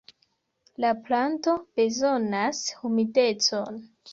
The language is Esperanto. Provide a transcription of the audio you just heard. La planto bezonas humidecon.